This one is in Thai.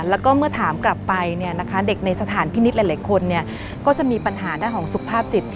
แล้วก็เมื่อถามกลับไปเด็กในสถานพินิษฐ์หลายคนก็จะมีปัญหาด้านของสุขภาพจิต